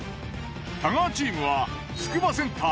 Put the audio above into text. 太川チームはつくばセンター